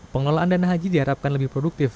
pengelolaan dana haji diharapkan lebih produktif